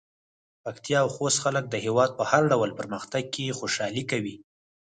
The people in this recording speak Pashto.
پکتيا او خوست خلک د هېواد په هر ډول پرمختګ کې خوشحالي کوي.